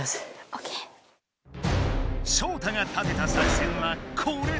ショウタが立てた作戦はこれだ！